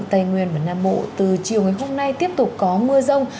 tây nguyên và nam bộ từ chiều ngày hôm nay tiếp tục có mưa rông